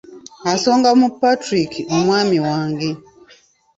Asonga mu Patrick omwami wange.